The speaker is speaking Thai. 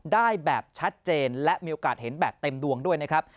ได้แบบชัดเจนและมีโอกาสเห็นแบบเต็มดวงด้วยนะครับ